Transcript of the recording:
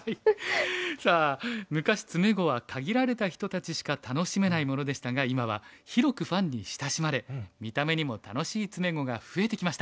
さあ昔詰碁は限られた人たちしか楽しめないものでしたが今は広くファンに親しまれ見た目にも楽しい詰碁が増えてきました。